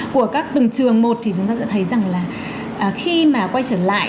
của các tầng trường một thì chúng ta sẽ thấy rằng là khi mà quay trở lại